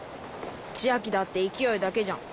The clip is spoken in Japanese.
千昭だって勢いだけじゃん。